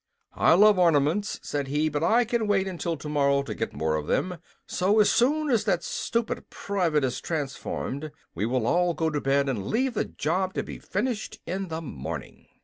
"I love ornaments," said he, "but I can wait until tomorrow to get more of them; so, as soon as that stupid private is transformed, we will all go to bed and leave the job to be finished in the morning."